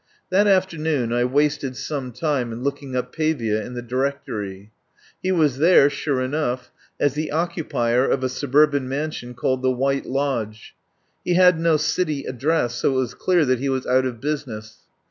That afternoon I wasted some time in look ing up Pavia in the directory. He was there sure enough, as the occupier of a suburban mansion called the White Lodge. He had no city address, so it was clear that he was out of business.